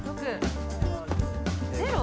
ゼロ？